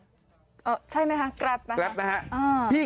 ใช่ไหมครับแกรปนะครับ